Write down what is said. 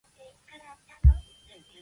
Cuenca died in Buenos Aires.